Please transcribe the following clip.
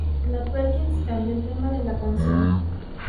Perkins cambio el tema de la canción.